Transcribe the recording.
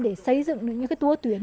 để xây dựng những tour tuyến